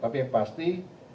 tapi yang pasti